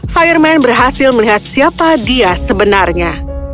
fireman berhasil melihat siapa dia sebenarnya